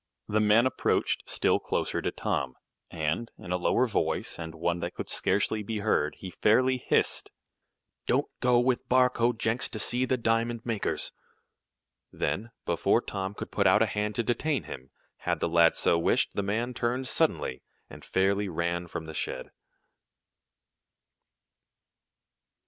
The man approached still closer to Tom, and, in a lower voice, and one that could scarcely be heard, he fairly hissed: "Don't go with Barcoe Jenks to seek the diamond makers!" Then, before Tom could put out a hand to detain him, had the lad so wished, the man turned suddenly, and fairly ran from the shed.